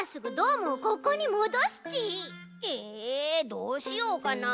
どうしようかな？